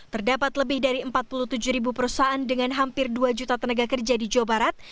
terdapat lebih dari empat puluh tujuh ribu perusahaan dengan hampir dua juta tenaga kerja di jawa barat